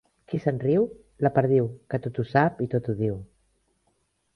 Qui se'n riu? La perdiu, que tot ho sap i tot ho diu.